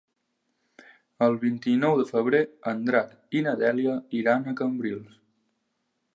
El vint-i-nou de febrer en Drac i na Dèlia iran a Cambrils.